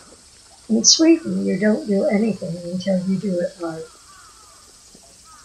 In Sweden, you don't do anything until you do it right.